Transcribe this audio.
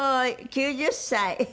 ９０歳。